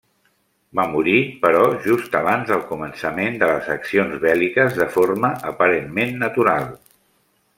Va morir, però, just abans del començament de les accions bèl·liques de forma aparentment natural.